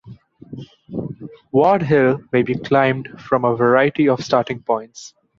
Ward Hill may be climbed from a variety of starting points.